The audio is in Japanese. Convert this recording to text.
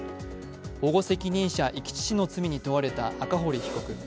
保護責任者遺棄致死の罪に問われた赤堀被告。